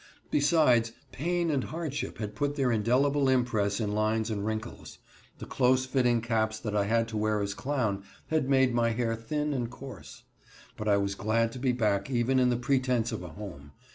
Besides, pain and hardship had put their indelible impress in lines and wrinkles. The close fitting caps that I had to wear as clown had made my hair thin and coarse. But I was glad to be back even in the pretense of a home.